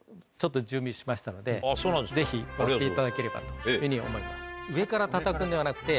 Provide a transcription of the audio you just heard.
ぜひやっていただければというふうに思います。